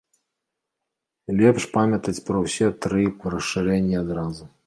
Лепш памятаць пра ўсе тры расшырэнні адразу.